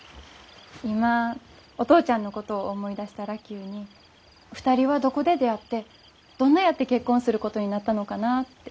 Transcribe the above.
今お父ちゃんのことを思い出したら急に２人はどこで出会ってどんなやって結婚することになったのかなって。